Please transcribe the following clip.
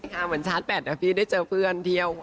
เหมือนชาร์จ๘นะพี่ได้เจอเพื่อนเที่ยว